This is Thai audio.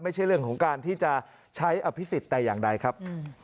ไม่ใช่เรื่องของการที่จะใช้อภิษฎแต่อย่างใดครับ